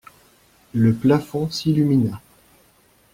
Le plafond s'illumina.